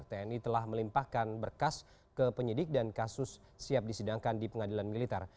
tni telah melimpahkan berkas ke penyidik dan kasus siap disidangkan di pengadilan militer